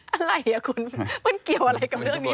อะไรอ่ะคุณมันเกี่ยวอะไรกับเรื่องนี้